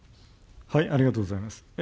ありがとうございます。